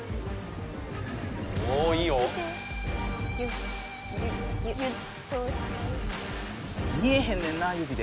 おおいいよ。見えへんねんな指で。